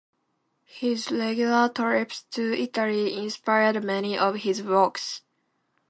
His regular trips to Italy inspired many of his works.